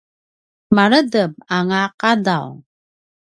maledep anga a qadaw